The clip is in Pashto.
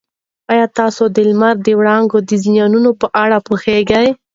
ایا تاسي د لمر د وړانګو د زیانونو په اړه پوهېږئ؟